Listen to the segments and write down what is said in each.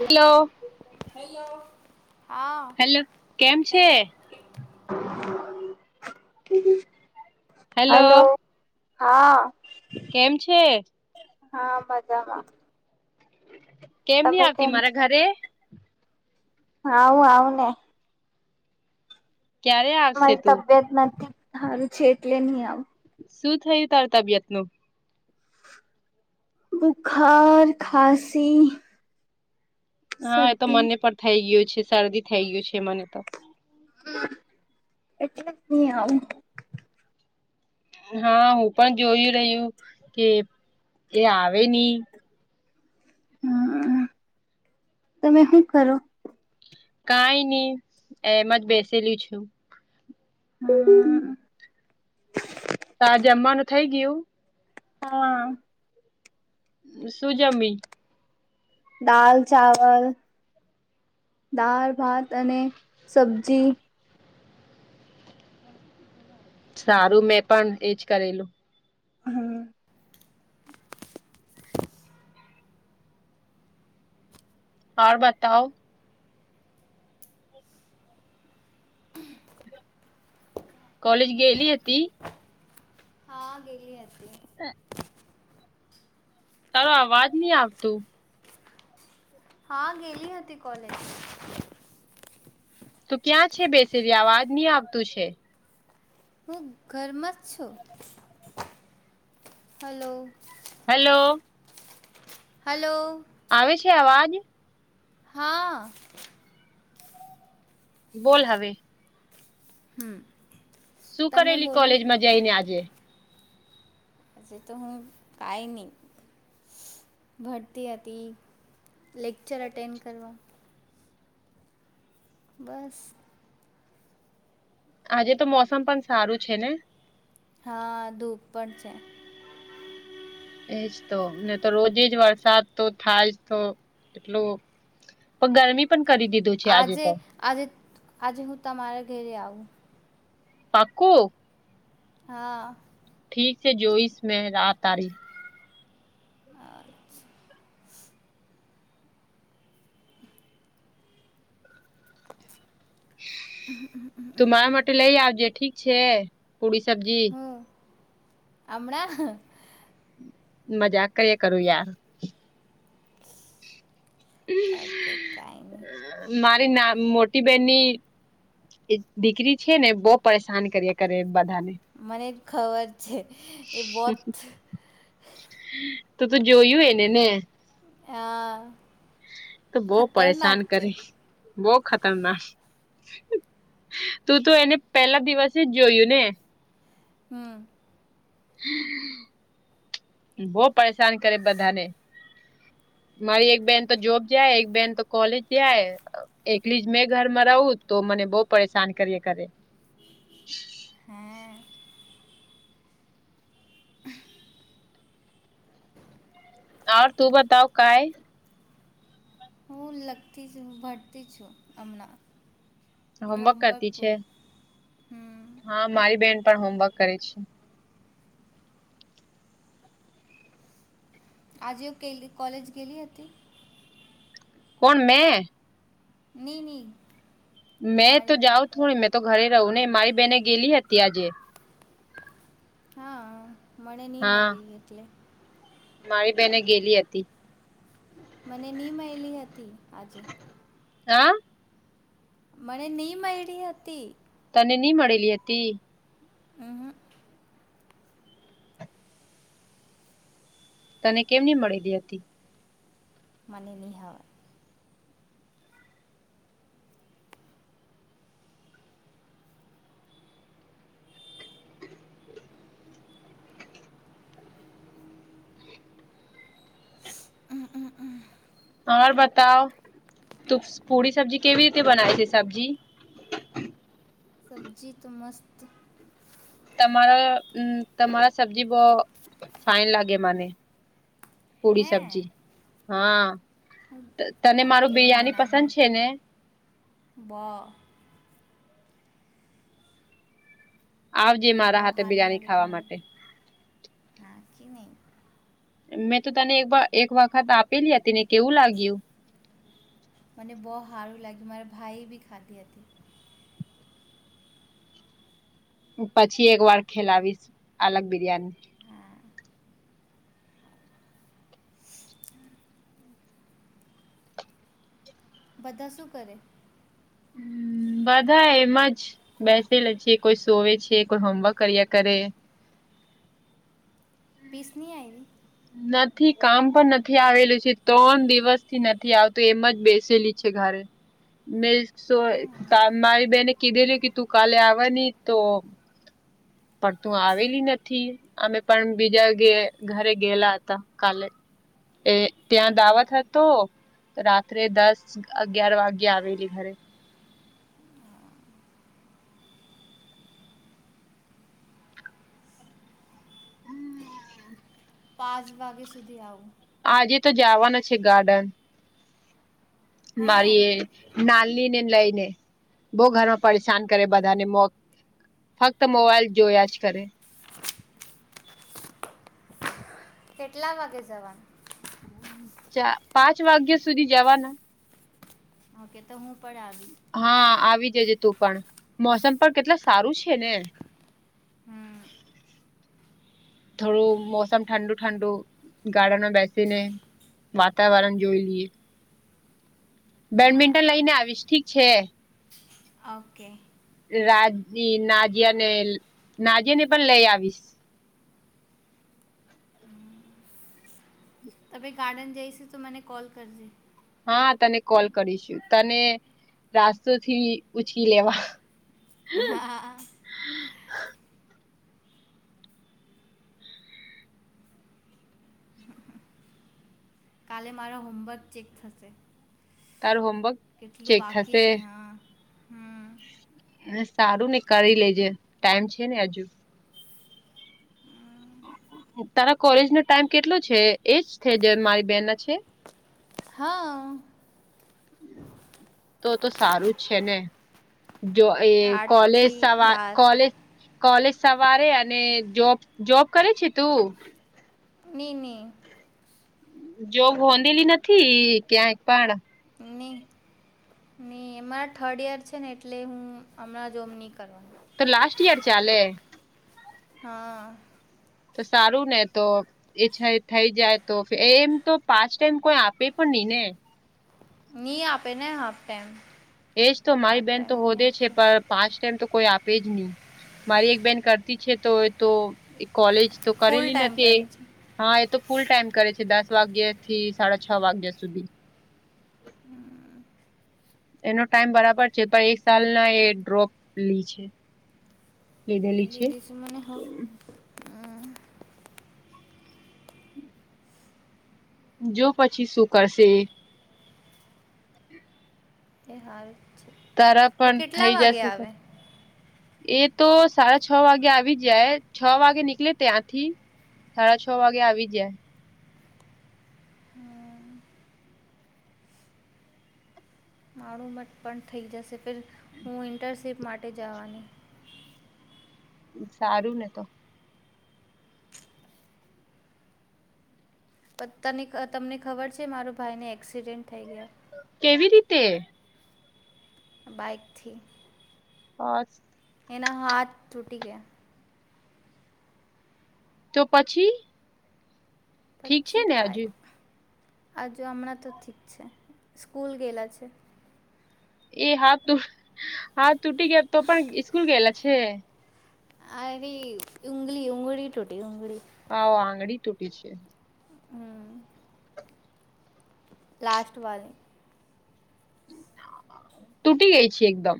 Hello hello. હા. Hello કેમ છે હલો. Hello hello. હા. કેમ છે? હા મજામાં. નહી તમે આવતી કેમ મારા છે. ઘરે હા હું આવું ને. ક્યારે આવશે મારી તું તબિયત નથી હારું છે, એટલે ની આવુ. શું થયું તાર તબિયતને? બુખાર, ખાંસી. હા, એ તો શરદી મને પણ થઈ ગ્યું છે. શરદી થઈ ગ્યું છે મને. એટલે જ ની આવું. હાં, હું પણ જોઈ રહ્યું કે એ આવે ની. હમ્મ, તમે હું કરો? કાંઈ ની, એમજ બેસેલી છું. [unintelligible] તાં જમ્માનું થઈ ગીયુ? હા. શું જમી? દાલ ચાવલ, દાળ ભાત અને સબ્જી. સારું, મેં પણ એજ કરેલું. હમ્મ. ઔર બતાઓ. [unintelligible] કોલેજ ગેેઈલી હતી? હા ગેલી હતી. હં તારો અવાજ ની આવતું. હાં ગેલી હતી કોલેજ. તું ક્યાં છે બેસેલી, આવાજ ની આવતું છે. હું ઘરમાં જ છું, હલો. હલો. હલો. આવે છે અવાજ? હા. બોલ હવે. હમ્મ. શું કરેલી કોલેજમાં જઈ ને આજે. જે તો હું કાંઈ ની, ભણતી હતી. લેક્ચર અટેન્ડ કરવા બસ. આજે તો મોસમ પણ સારું છે ને! હાં, ધૂપ પણ છે. એજ તો, ની તો રોજે જ વરસાદ તો થાય જ તો એટલું પ ગરમી પણ કરી દીધું છે. આજે, આજે, આજે હું તમારા ઘેરે આવું. પાક્કુ! હા ઠીક છે, જોઈશ મે રાહ તારી [unintelligible] [inaudible] તો મારા માટે લઈ આવજે, ઠીક છે. પુડી સબ્જી હ, અમણાં? મજાક કરીયા કરું યાર ઓકે કાંઈ ની. મારી ના મોટી બેનની એ દીકરી છે ને બો પરેસાન કરીયા કરે બધાને મને ખબર છે એ બોત તો તું જોયું એને ને. હા તો બહ પરેશાન ખતરનાક છે કરી. બહુ ખતરના. તું તો એને પેલા દિવસે જ જોયું ને. હમ. બહ પરેશાન કરે બધાને. મારી એક બેહેન તો જોબ જાય એક બેહેન તો કોલેજ જાય. એકલી જ મેં ઘર માં રહું તો મને બહુ પરેશાન કરીએ કરે. હે [unintelligible] ઓર તું બતાવ કાંઈ. હું લગતી છ હું ભરતી છું હમણાં. હોમવર્ક કરતી છે હમ હા મારી બેન પણ હોમવર્ક કરે છે. આજેવ કેલી કોલેજ ગેલી હતી. કોણ મેં? નીની. મેં તો જાઉ થોડી મેં તો ઘરે રહું ને મારી બેહેને ગેલી હતી આજે. હા મણે ની હા મયલી એટલે. મારી બેહેને ગેલી હતી. મને ની મયલી હતી આજે. હા. મને ની મયડી હતી. તને ની મડેલી હતી. અહ. તને કેમ ની મળેલી હતી. મને નિહાવર. હ હમ હમ. ઓર બતાવ તું પૂડી સબ્જી કેવી રીતે બનાય છે સબ્જી. સબ્જી તો મસ્ત તમાર અ તમારા સબ્જી બહ ફાઈન લાગે મને. પૂડી હે સબ્જી હા તને ઓકે મારું હું બિરયાની પસંદ છે ને? બહ આવજે મને મારા બહુ હાથે સારું બિરયાની લાગે ખાવા તમારે માટે. હા કે નહી. મેં તો તને એકબ એક વખત આપેલી હતી ને કેવું લાગ્યું? મને બોહ હારું લાગ્યું મારા ભાઈ બી ખાધી હતી. પછી એક વાર ખેલાવીશ અલગ બિરયાની. હા [inaudible] બધા શું કરે? હમ બધા એમજ બેસે લ છી કોઈ સોવે છે કોઈ હોમવર્ક કર્યા કરે. પીસની આયવી. નથી કામ પન નથી આવેલું છે ત્રણ દિવસથી નથી આવતું એમ જ બેસેલી છે ઘરે. મે સો તા મારી બેને કીધેલીું કે તું કાલે આવાની તો પણ તું આવેલી નથી અમે પણ બીજા ઘે ઘરે ગેલા હતા કાલે. એ ત્યાં દાવત હતો. તો રાત્રે દસ અગિયાર વાગે આવેલી ઘરે. [unintelligible] પાંચ વાગ્યા સુધી આવું. આજે તો જાવાનું છે ગાર્ડન. હે મારીએ નાન્લી ને લઈ ને બહ ઘરમાં પરેશાન કરે બધાને મો ફક્ત મોબાઈલ જોયા જ કરે. કેટલા વાગે જવાનું. ચા પાંચ વાગ્યા સુધી જવાના. ઓકે તો હું પર આવીશ. હા આવી જજે તું પણ મોસમ પણ કેટલ સારું છે ને. હમ. થોડું મોસમ ઠંડુ ઠંડુ ગાર્ડનમાં બેસીને વાતાવરણ જોઈ લીએ. બેડમિન્ટન લઈને આવીશ ઠીક છે. ઓકે. રાજી નાજિયા નેલ નાજિયા ને પણ લઈ આવીશ. તમે ગાર્ડન જઈશું તો મને કોલ કર જે. હા તને કોલ કરીશું તને રાસ્તો થી ઉચકી લેવા. હા આ આ આ. કાલે મારો હોમવર્ક ચેક થશે. તારુ હોમવર્ક કેટલું ચેક બાકી થશે છે હા. હમ ને સારું ને કરી લેજે ટાઈમ છે ને હજુ. તારા કોલેજ નો ટાઈમ કેટલો છે એજ થે જે મારી બેહેન ના છે. હા. તો તો સારું જ છે ને. જો એ કોલેજ આઠથી સવા બાર કોલેજ કોલેજ સવારે અને જોબ જોબ કરે છે તું? નીની. જો ગોંધેલી નથી ક્યાંય પણ. એ માર થર્ડ યર છે ને એટલે હું હમણાં જોબ ની કરવાનું. તો લાસ્ટ યર ચાલે. હા. તો સારું ને તો એછા એ થઈ જાય તો એમ તો પાચ ટાઈમ કોઈ આપે પણ નઈ ને. ની આપે ને હાફ ટેમ. એજ તો મારી બેહેન તો હોદે છે પર પાચ ટાઈમ તો કોઈ આપે જ નહી મારી એક બેહેન કરતી છે તો તો એક કોલેજ તું ફૂલ કરેલી ટાઈમ નથી એ. કરે છે હા એ તો ફૂલ ટાઈમ કરે છે દસ વાગ્યા થી સાડા છ વાગ્યા સુધી. એનો ટાઈમ બરાબર છે પર એક સાલના એ ડ્રોપ લી છે. લીધેલી છે બીજું શું મને હ તો જો પછી શું કરશે તે હાલ તારા પણ થઈ જશે તો એ તો સાડા છ વાગે આવી જાય છ વાગે નીકળે ત્યાંથી સાડા છ વાગે આવી જાય હા ઘણું મત પણ થઈ જશે ફે હું ઇન્ટરનશીપ માટે જવાની સારું ને તો પતાની તમને ખબર છે માર ભાઈને એક્સિડેન્ટ થઈ ગયા કેવી રીતે બાઇકથી હા એના હાથ તૂટી ગયા તો પછી ઠીક છે પછી ને કઈ હજુ આજુ હમણાં તો ઠીક છે સ્કૂલ ગેલા છે એ હાથ તૂ હાથ તૂટી ગયા તો પણ સ્સ્કૂલ ગયેલા છે અરે ઉંગલીી ઉંગળી ટોટે ઉંગલીી હ આંગળી તૂટી છે હમ લાસ્ટ વાડી તૂટી ગઈ છે એકદમ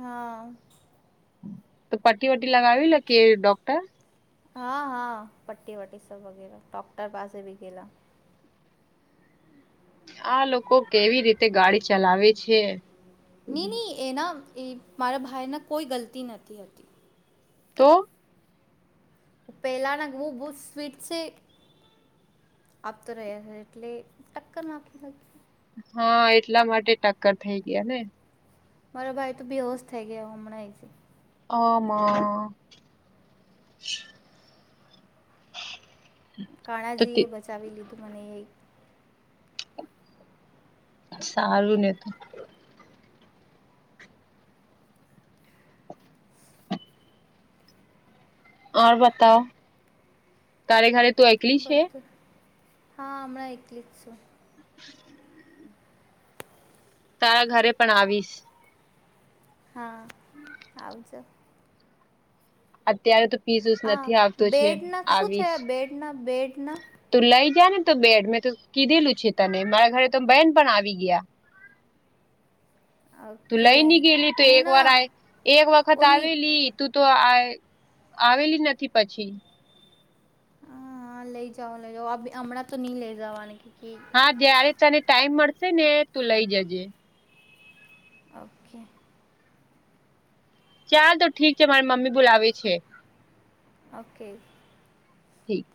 હા તો પ્ટી વટી લગાવી લે કે ડોક્ટર હા હા પ્ટી વ્ટટી સબ વગેરે ડોક્ટર પાસે ભી ગેલા આ લોકો કેવી રીતે ગાડી ચલાવે છે નહી નહી એના એ મારા ભાઈના કોઈ ગલતી નથી હતી તો પપ એલાના હું બુ સ્વીટસ આપતો રહ્યા છે એટલે ટક્કર ના આપી હા એટલા માટે ટક્કર થઈ ગયા ને મારો ભાઈ તો બેહોશ થઈ ગયા હમણાં એ આમાં [inaudible] તો કાણાજી એ બચાવી લીધું મને એક સારું ને તોું ઓર બતાવ તારે ઘરે તું એકલી છે બધું હા હમણાં કલી જ છેું [inaudible] તારા ઘરે પણ આવીશ હા આવજો અત્યારે તો પીસસ હા નથી આવતો છે બેડના શું આવીશ થયા બેડના બેડના તું લઈ જા ને તો બેડ મેં તો કીધેલું છે તને મારા ઘરે તો બહેન પણ આવી ગયા તું ઓકે લઈ ની ગેલી તો હું એક વાર ના આ એક વખત ઓ ની આવેલી તું તો આ આવેલી નથી પછી હા લઈ જાઓ લઇ જાઓ હમણાં તો નહી લઈ જાઓ આ હા જય્યારે તને ટાઈમ મળશે ને તું લઇ જજે. ઓકે. ચાલ તો ઠીક છે મારી મમ્મી બોલાવે છે. ઓકે. ઠીક.